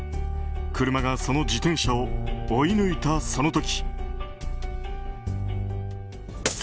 車がその自転車を追い抜いたその時。